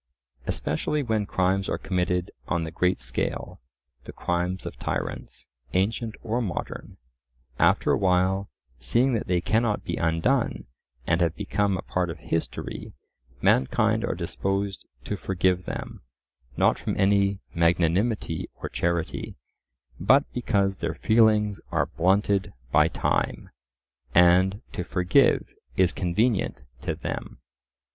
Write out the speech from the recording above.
Especially when crimes are committed on the great scale—the crimes of tyrants, ancient or modern—after a while, seeing that they cannot be undone, and have become a part of history, mankind are disposed to forgive them, not from any magnanimity or charity, but because their feelings are blunted by time, and "to forgive is convenient to them."